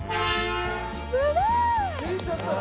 すごい！何？